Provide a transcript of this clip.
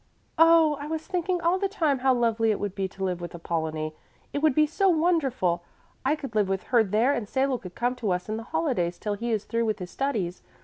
"Oh, I was thinking all the time how lovely it would be to live with Apollonie! It would be so wonderful I could live with her there and Salo could come to us in the holidays till he is through with his studies.